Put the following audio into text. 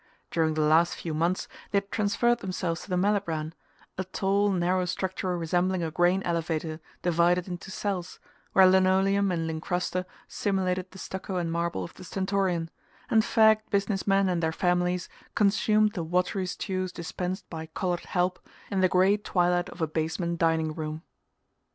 During the last few months they had transferred themselves to the "Malibran," a tall narrow structure resembling a grain elevator divided into cells, where linoleum and lincrusta simulated the stucco and marble of the Stentorian, and fagged business men and their families consumed the watery stews dispensed by "coloured help" in the grey twilight of a basement dining room.